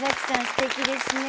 すてきですね。